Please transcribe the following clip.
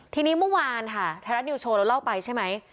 ทีนี้เมื่อวานค่ะฐานอนด์เนิวโชว์เล่าไปใช่มั้ย